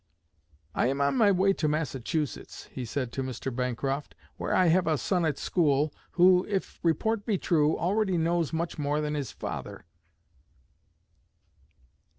'I am on my way to Massachusetts,' he said to Mr. Bancroft, 'where I have a son at school, who, if report be true, already knows much more than his father.'"